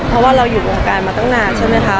เพราะว่าเราอยู่วงการมาตั้งนานใช่ไหมคะ